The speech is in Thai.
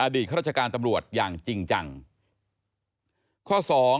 อดีตเข้าราชการตำรวจอย่างจริงจัง